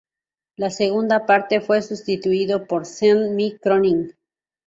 En la segunda parte, fue sustituido por Sean M. Cronin.